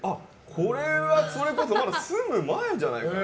これはまだ住む前じゃないかな。